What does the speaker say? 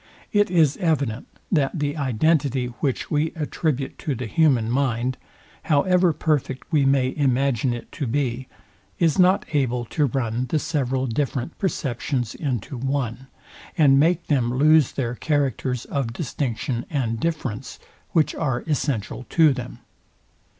It is evident, that the identity, which we attribute to the human mind, however perfect we may imagine it to be, is not able to run the several different perceptions into one, and make them lose their characters of distinction and difference, which are essential to them.